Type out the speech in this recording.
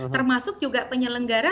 termasuk juga penyelenggara